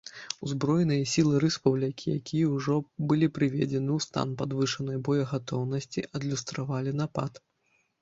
Узброеныя сілы рэспублікі, якія ўжо былі прыведзены ў стан падвышанай боегатоўнасці, адлюстравалі напад.